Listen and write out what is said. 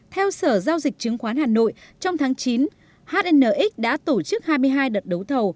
theo sở giao dịch chứng khoán hà nội trong tháng chín hnx đã tổ chức hai mươi hai đợt đấu thầu